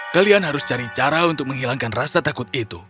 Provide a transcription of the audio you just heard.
kalian harus cari cara untuk menghilangkan rasa takut itu